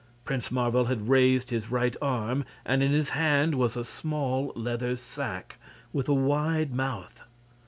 Prince Marvel had raised his right arm, and in his hand was a small leather sack, with a wide mouth.